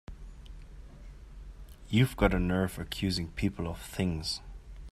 You've got a nerve accusing people of things!